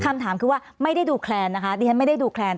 คำถามคือว่าไม่ได้ดูแคลนนะคะดิฉันไม่ได้ดูแคลน